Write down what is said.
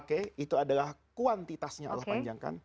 oke itu adalah kuantitasnya allah panjangkan